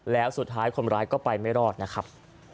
แล้วสุดท้ายคนร้ายก็ไปไม่รอดนะครับ